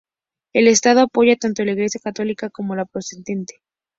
El estado apoya tanto a la Iglesia Católica como a la Protestante.